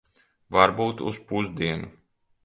Varbūt uz pusdienu.